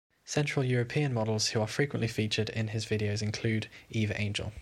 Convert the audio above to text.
Central European models who are frequently featured in his videos include Eve Angel.